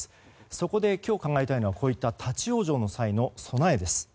そこで今日、考えたいのはこういった立ち往生の際の備えです。